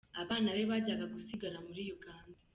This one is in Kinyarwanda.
"Abana be bajyaga gusigara muri Uganda.